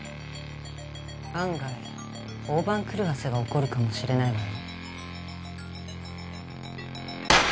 案外大番狂わせが起こるかもしれないわよ。